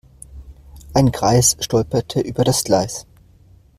Ein Greis stolperte über das Gleis.